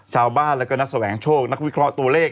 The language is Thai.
ชาวบ้านนักแทรกแสวงช่วงอย่างแต่วิเคราะห์ตัวเลข